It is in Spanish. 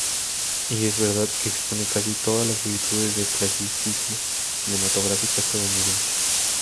Y es verdad que expone casi todas las virtudes del clasicismo cinematográfico estadounidense.